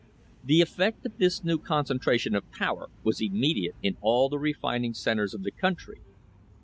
t The effect of this new concentration of power was imme diate in all the refining centres of the country.